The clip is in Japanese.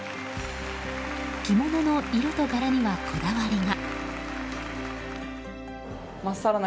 着物の色と柄には、こだわりが。